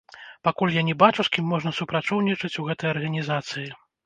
Пакуль я не бачу, з кім можна супрацоўнічаць у гэтай арганізацыі.